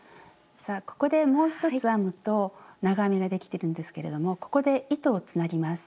さあここでもう一つ編むと長編みができてるんですけれどもここで糸をつなぎます。